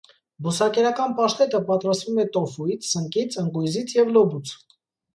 Բուսակերական պաշտետը պատրաստվում է տոֆուից, սնկից, ընկույզից և լոբուց։